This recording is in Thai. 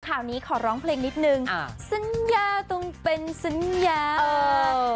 ข่าวนี้ขอร้องเพลงนิดนึงสัญญาต้องเป็นสัญญา